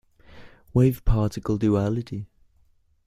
Wave-particle duality.